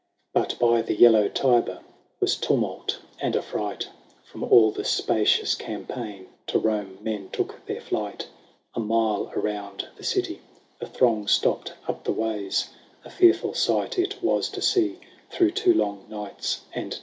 49 XIII. But by the yellow Tiber Was tumult and affright : From all the spacious champaign To Rome men took their flight. A mile around the city, The throng stopped up the ways ; A fearful sight it was to see Through two long nights and days.